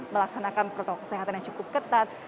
melaksanakan protokol kesehatan yang cukup ketat